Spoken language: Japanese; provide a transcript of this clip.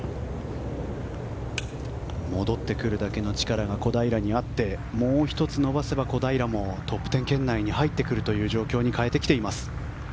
戻ってくるだけの力が小平にあってもう１つ伸ばせば、小平もトップ１０圏内に入ってくる状況に変えてきています。